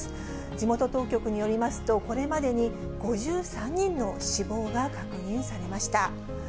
地元当局によりますと、これまでに５３人の死亡が確認されました。